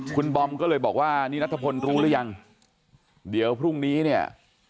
คุณบอมก็เลยบอกว่านี่นัทพลรู้หรือยังเดี๋ยวพรุ่งนี้เนี่ย